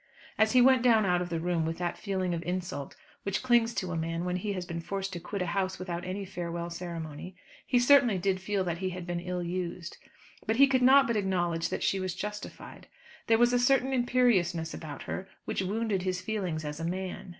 As he went down out of the room with that feeling of insult which clings to a man when he has been forced to quit a house without any farewell ceremony, he certainly did feel that he had been ill used. But he could not but acknowledge that she was justified. There was a certain imperiousness about her which wounded his feelings as a man.